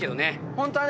ホントはね